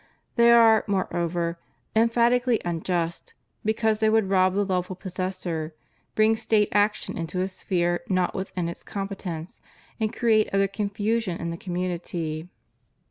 They are, moreover, emphatically unjust, because they would rob the lawful possessor, bring State action into a sphere not with in its competence, and create utter confusion in the com munity.